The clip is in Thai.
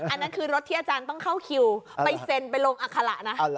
อันนั้นคือรถที่อาจารย์ต้องเข้าคิวไปเซ็นไปลงอัคระนะ